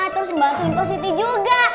terus bantuin positi juga